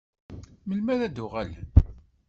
Melmi ara d-uɣalen?